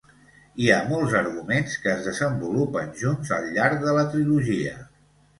Hi ha molts arguments que es desenvolupen junts al llarg de la trilogia.